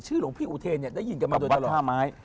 ชื่อหลงพี่อุเทรนได้ยินกันมาโดยตลอดของวัดท่าม้าย